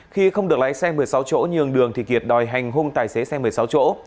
khi không được lái xe một mươi sáu chỗ nhường đường thì kiệt đòi hành hung tài xế xe một mươi sáu chỗ